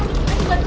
atuh batu atuh